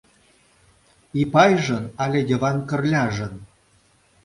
Ипайжын але Йыван Кырляжын?